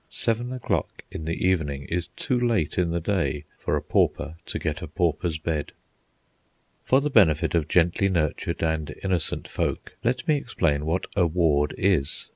Seven o'clock in the evening is too late in the day for a pauper to get a pauper's bed. For the benefit of gently nurtured and innocent folk, let me explain what a ward is.